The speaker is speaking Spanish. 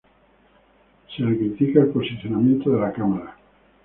Se le critica el posicionamiento de la cámara.